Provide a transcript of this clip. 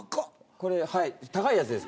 これはい高いやつです